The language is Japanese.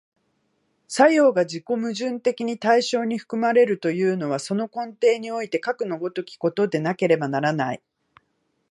作用が自己矛盾的に対象に含まれるというのは、その根底においてかくの如きことでなければならない。